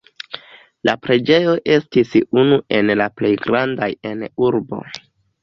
La preĝejo estis unu el la plej grandaj en urbo.